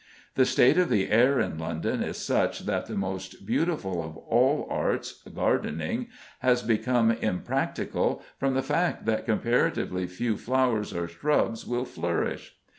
The state of the air in London is such that the most beautiful of all arts, gardening, has become impracticable from the fact that comparatively few flowers or shrubs will flourish.